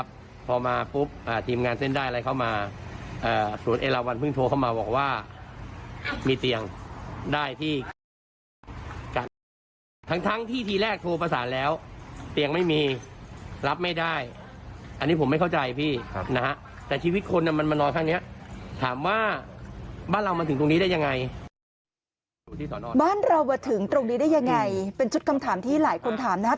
บ้านเรามาถึงตรงนี้ได้ยังไงเป็นชุดคำถามที่หลายคนถามนะครับ